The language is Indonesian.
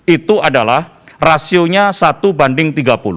itu adalah rasionya satu banding tiga puluh